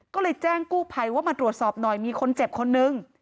ก็เลยแจ้งกู้ภัยว่ามาตรวจสอบหน่อยมีคนเจ็บคนนึง